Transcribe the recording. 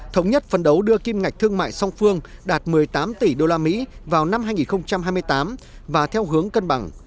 thống nhất phân đấu đưa kim ngạch thương mại song phương đạt một mươi tám tỷ usd vào năm hai nghìn hai mươi tám và theo hướng cân bằng